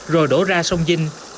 rồi đổ ra sông vinh